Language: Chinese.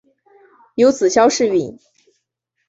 有子萧士赟。